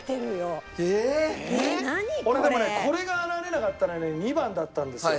俺でもねこれが現れなかったら２番だったんですよ。